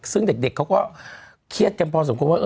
ซึ่งเด็กเขาก็เครียดกันพอสมควรว่า